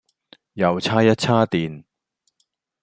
又差一差電